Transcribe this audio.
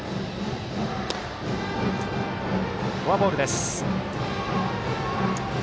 フォアボールです。